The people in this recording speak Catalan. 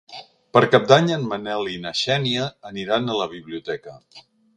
Per Cap d'Any en Manel i na Xènia aniran a la biblioteca.